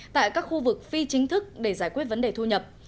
tại các khu vực phi chính thức để giải quyết vấn đề thu nhập